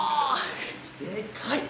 でかい！